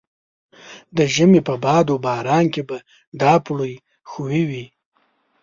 د ژمي په باد و باران کې به دا پوړۍ ښویې وې.